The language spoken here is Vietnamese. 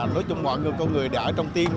nói chung mọi người